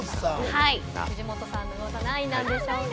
藤本さんは何位なんでしょうか？